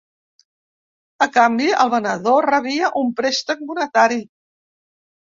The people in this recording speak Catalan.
A canvi, el venedor rebia un préstec monetari.